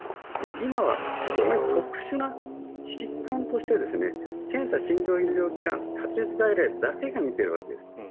今は非常に特殊な疾患として検査診療医療機関発熱診療だけが診ているわけです。